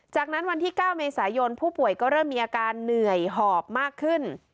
จากนั้นวันที่๙เมษายนผู้ป่วยก็เริ่มมีอาการเหนื่อยหอบมากขึ้น